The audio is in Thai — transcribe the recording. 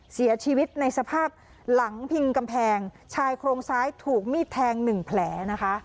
เสียชีวิตในสภาพหลังพิงกำแพงชายโครงซ้ายถูกมีดแทงหนึ่งแผลนะคะ